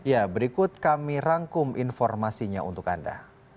ya berikut kami rangkum informasinya untuk anda